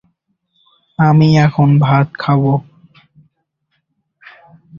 কলকাতা বিশ্ববিদ্যালয়ে থাকাকালীন তিনি বিখ্যাত মজুমদার-পাপানেত্রু গবেষণাপত্র রচনা করেন।